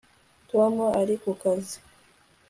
Tom ari ku kazi